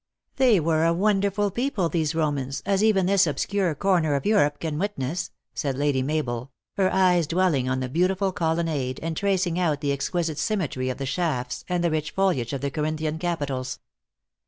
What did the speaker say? " They were a wonderful people, these Romans, as even this obscure corner of Europe can witness," paid Lady Mabel, her eyes dwelling on the beautiful colo nade, and tracing out the exquisite symmetry of the shafts, and the rich foliage of the Corinthian capitals.